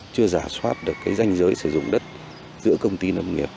chưa giả soát được cái danh giới sử dụng đất giữa công ty nông nghiệp